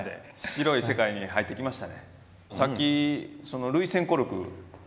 白い世界に入ってきましたね。